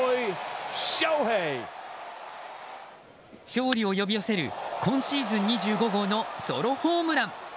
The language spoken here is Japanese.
勝利を呼び寄せる今シーズン２５号のソロホームラン。